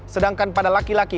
sedangkan pada laki laki